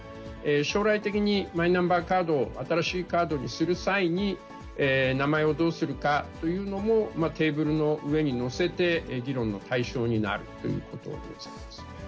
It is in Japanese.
将来的にマイナンバーカードを新しいカードにする際に、名前をどうするかというのも、テーブルの上に載せて、議論の対象になるということです。